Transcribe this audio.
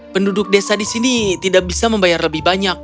penduduk desa di sini tidak bisa membayar lebih banyak